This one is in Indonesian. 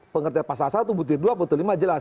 pengertian pasal satu butir dua butir lima jelas